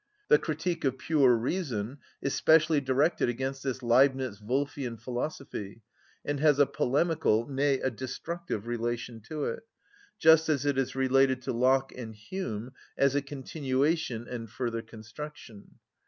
The "Critique of Pure Reason" is specially directed against this Leibnitz‐Wolfian philosophy, and has a polemical, nay, a destructive relation to it, just as it is related to Locke and Hume as a continuation and further construction.